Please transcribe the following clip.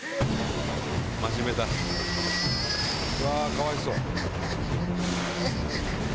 かわいそう。